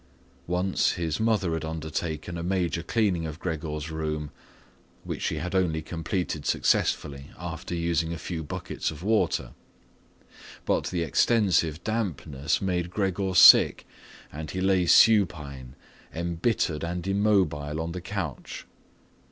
Once his mother had undertaken a major cleaning of Gregor's room, which she had only completed successfully after using a few buckets of water. But the extensive dampness made Gregor sick and he lay supine, embittered and immobile on the couch.